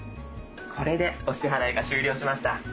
これでお支払いが終了しました。